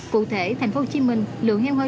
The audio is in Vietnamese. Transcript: cụ thể thành phố hồ chí minh lượng heo hơi